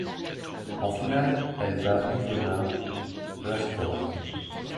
En finale, elle bat Yvona Brzáková.